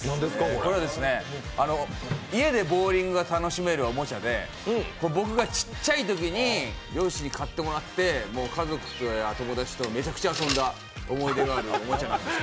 これは、家でボウリングが楽しめるおもちゃで僕がちっちゃいときに両親に買ってもらって家族や友達とめちゃくちゃ遊んだ思い出があるおもちゃなんです。